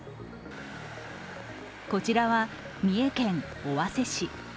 こちらは三重県尾鷲市。